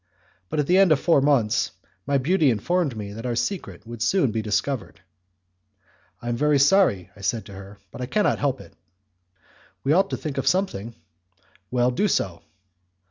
But at the end of four months my beauty informed me that our secret would soon be discovered. "I am very sorry," I said to her, "but I cannot help it." "We ought to think of something." "Well, do so."